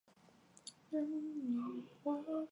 他是约翰二世和的幼子。